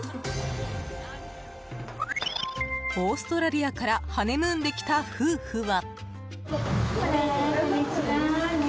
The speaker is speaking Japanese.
オーストラリアからハネムーンで来た夫婦は。